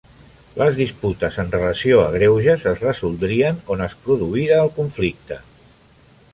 Les disputes en relació a greuges es resoldrien on es produïra el conflicte.